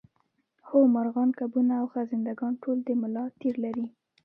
هو مارغان کبونه او خزنده ګان ټول د ملا تیر لري